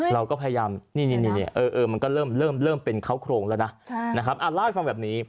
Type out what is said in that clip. เราก็พยายามนี้เนี่ยมันก็เริ่มรวมเป็นเคราะห์โครงแล้วนะ